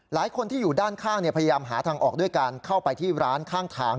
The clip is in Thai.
หลายคนที่อยู่ด้านข้างพยายามหาทางออกด้วยการเข้าไปที่ร้านข้างทาง